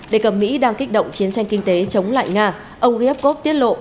để cầm mỹ đang kích động chiến tranh kinh tế chống lại nga ông ryabkov tiết lộ